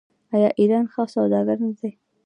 آیا ایرانیان ښه سوداګر نه دي؟